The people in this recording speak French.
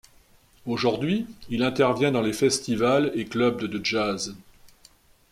Aujourd'hui, il intervient dans les festivals et clubs de jazz.